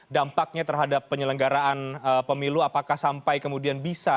dampaknya terhadap penyelenggaraan pemilu apakah sampai kemudian bisa